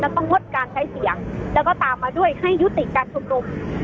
ต้องงดการใช้เสียงแล้วก็ตามมาด้วยให้ยุติการชุมนุม